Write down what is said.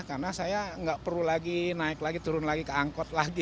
karena saya nggak perlu lagi naik lagi turun lagi ke angkut